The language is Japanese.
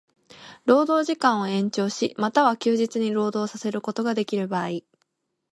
労働時間を延長し、又は休日に労働させることができる場合